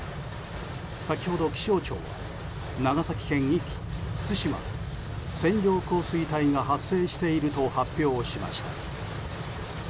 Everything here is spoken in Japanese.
先ほど気象庁は長崎県壱岐・対馬で線状降水帯が発生していると発表しました。